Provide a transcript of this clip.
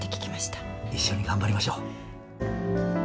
一緒に頑張りましょう。